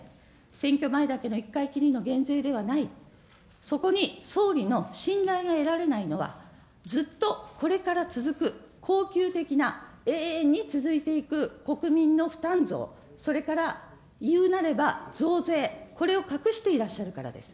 選挙前だけの１回きりの減税ではない、そこに総理の信頼が得られないのは、ずっとこれから続く、恒久的な永遠に続いていく国民の負担増、それから、いうなれば、増税、これを隠していらっしゃるからです。